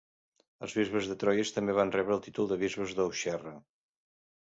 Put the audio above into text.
Els bisbes de Troyes també van rebre el títol de bisbes d'Auxerre.